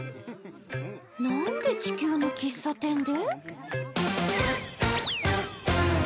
何で地球の喫茶店で？